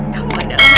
kamu adalah anak kami